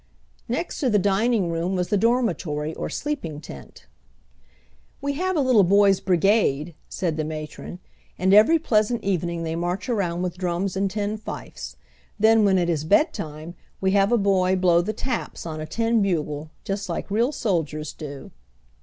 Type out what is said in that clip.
Next to the dining room was the dormitory or sleeping tent. "We have a little boys' brigade," said the matron, "and every pleasant evening they march around with drums and tin fifes. Then, when it is bedtime, we have a boy blow the 'taps' on a tin bugle, just like real soldiers do."